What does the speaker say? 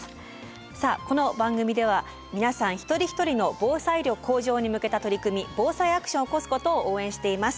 さあこの番組では皆さん一人一人の防災力向上に向けた取り組み「ＢＯＳＡＩアクション」を起こすことを応援しています。